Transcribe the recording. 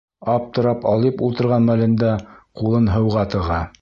Аптырап-алйып ултырған мәлендә ҡулын һыуға тыға.